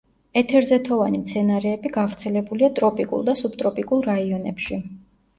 ეთერზეთოვანი მცენარეები გავრცელებულია ტროპიკულ და სუბტროპიკულ რაიონებში.